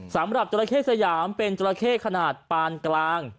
สำหรับจราเข้สยามเป็นจราเข้ขนาดปานกลาง